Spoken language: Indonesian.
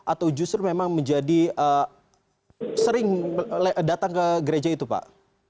atau justru memang menjadi sering datang ke gereja itu pak